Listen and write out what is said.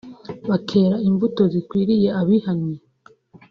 bakera imbuto zikwiriye abihannye